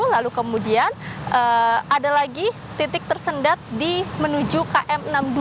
lalu kemudian ada lagi titik tersendat menuju km enam puluh dua